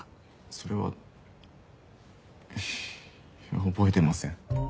それは覚えてません。